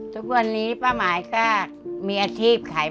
ทุกวันนี้ป้าหมายก็มีอาชีพขาย